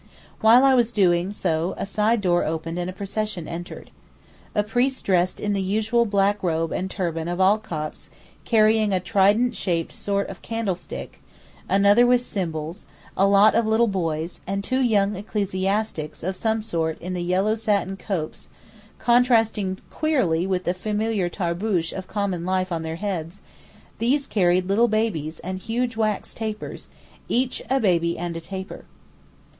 While I was doing so a side door opened and a procession entered. A priest dressed in the usual black robe and turban of all Copts carrying a trident shaped sort of candlestick, another with cymbals, a lot of little boys, and two young ecclesiastics of some sort in the yellow satin copes (contrasting queerly with the familiar tarboosh of common life on their heads), these carried little babies and huge wax tapers, each a baby and a taper.